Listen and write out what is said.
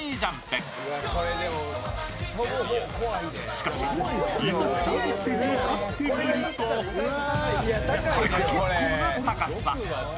しかし、いざスタート地点に立ってみるとこれが結構な高さ。